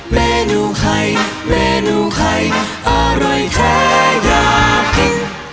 เมนูไข่เมนูไข่อร่อยแท้อยากกิน